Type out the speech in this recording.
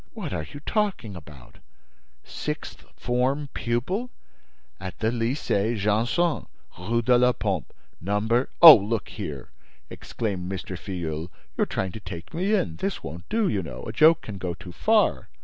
"What are you talking about? Sixth form pupil—" "At the Lycée Janson, Rue de la Pompe, number—" "Oh, look here," exclaimed M. Filleul, "you're trying to take me in! This won't do, you know; a joke can go too far!"